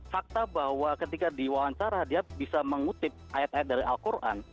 fakta bahwa ketika diwawancara dia bisa mengutip ayat ayat dari al quran